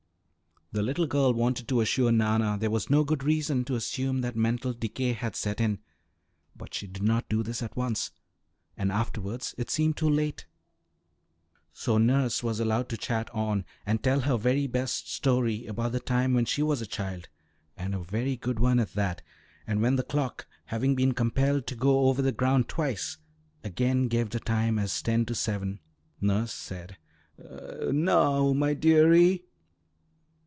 The little girl wanted to assure Nanna there was no good reason to assume that mental decay had set in, but she did not do this at once, and afterwards it seemed too late. So nurse was allowed to chat on, and tell her very best story about the time when she was a child, and a good one at that, and when the clock, having been compelled to go over the ground twice, again gave the time as ten to seven, nurse said, "Now my dearie!"